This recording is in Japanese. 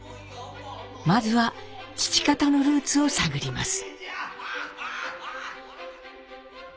まずは父方のルーツを探ります。